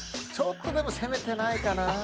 ちょっとでも攻めてないかな。